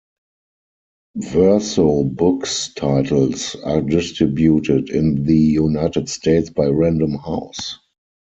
Verso Books titles are distributed in the United States by Random House.